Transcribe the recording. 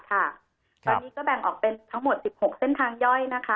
ตอนนี้ก็แบ่งออกเป็นทั้งหมด๑๖เส้นทางย่อยนะคะ